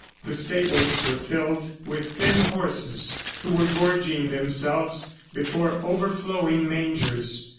The stables were filled with thin horses who were gorging themselves before overflowing mangers.